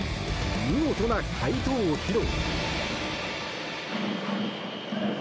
見事な快投を披露。